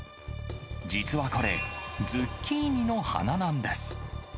実はこれ、ズッキーニの花なんです。